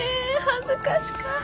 恥ずかしかぁ。